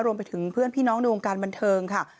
รวมไปถึงเพื่อนพี่น้องในวงการบันเทิงค่ะ